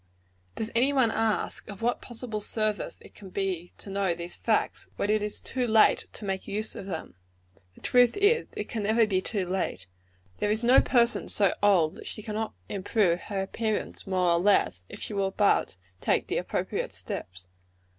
Does any one ask, of what possible service it can be to know these facts, when it is too late to make use of them? The truth is, it can never be too late. There is no person so old that she cannot improve her appearance, more or less, if she will but take the appropriate steps.